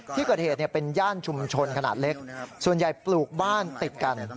ที่เกิดเหตุเป็นย่านชุมชนขนาดเล็กส่วนใหญ่ปลูกบ้านติดกัน